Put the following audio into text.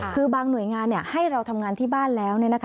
คือบางหน่วยงานให้เราทำงานที่บ้านแล้ว